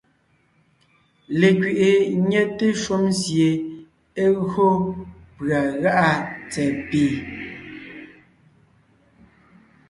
Lekẅiʼi nyɛte shúm sie é gÿo pʉ̀a gá’a tsɛ̀ɛ pì,